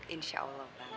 insya allah bang